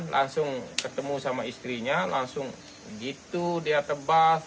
langsung ketemu sama istrinya langsung gitu dia tebal